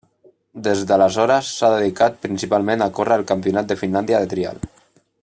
Des d'aleshores s'ha dedicat principalment a córrer el Campionat de Finlàndia de trial.